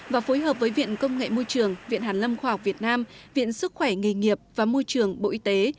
và phối hợp với viện công nghệ môi trường viện hàn lâm khoa học việt nam viện sức khỏe nghề nghiệp và môi trường bộ y tế